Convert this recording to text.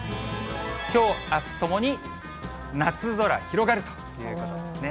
きょう、あすともに夏空広がるということですね。